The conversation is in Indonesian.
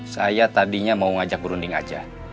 saya tadinya mau ngajak berunding aja